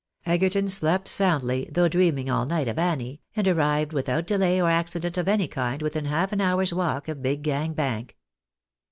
Egerton slept soundly, though dreaming all night of Annie, and arrived without delay or accident of any kind, within half an hour's Vi^alk of Big Gang Bank.